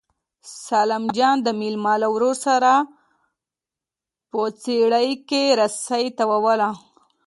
سلام جان د لېلما له ورور سره په څېړۍ کې رسۍ تاووله.